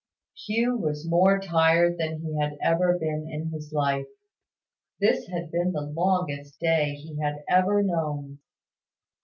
Hugh was more tired than he had ever been in his life. This had been the longest day he had ever known.